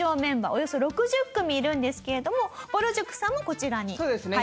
およそ６０組いるんですけれどもぼる塾さんもこちらに入っていると。